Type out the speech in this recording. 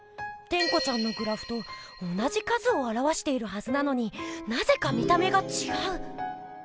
テンコちゃんのグラフと同じ数をあらわしているはずなのになぜか見た目がちがう。